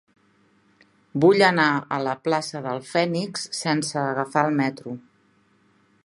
Vull anar a la plaça del Fènix sense agafar el metro.